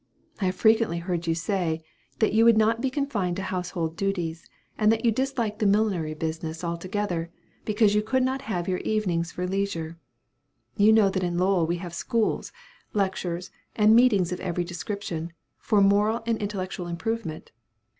I have frequently heard you say, that you would not be confined to household duties, and that you dislike the millinery business altogether, because you could not have your evenings for leisure. You know that in Lowell we have schools, lectures, and meetings of every description, for moral and intellectual improvement."